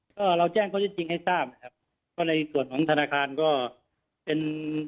ก็เราแจ้งข้อที่จริงให้ทราบนะครับก็ในส่วนของธนาคารก็เป็น